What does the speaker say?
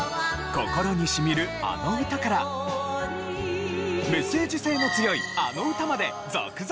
心にしみるあの歌からメッセージ性の強いあの歌まで続々登場！